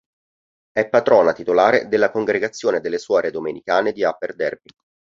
È patrona titolare della congregazione delle suore domenicane di Upper Darby.